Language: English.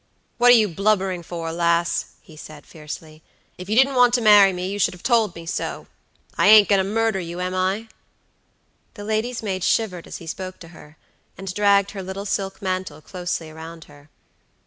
"What are you blubbering for, lass?" he said, fiercely. "If you didn't want to marry me you should have told me so. I ain't going to murder you, am I?" The lady's maid shivered as he spoke to her, and dragged her little silk mantle closely around her.